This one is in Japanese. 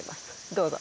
どうぞ。